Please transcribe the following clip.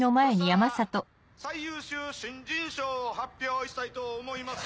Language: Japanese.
そしたら最優秀新人賞を発表したいと思います。